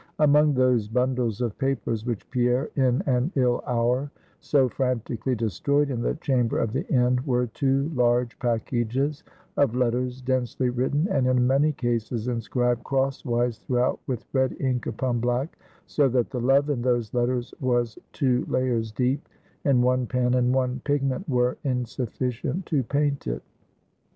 Among those bundles of papers which Pierre, in an ill hour, so frantically destroyed in the chamber of the inn, were two large packages of letters, densely written, and in many cases inscribed crosswise throughout with red ink upon black; so that the love in those letters was two layers deep, and one pen and one pigment were insufficient to paint it.